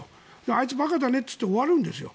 あいつ馬鹿だねと言って終わるんですよ。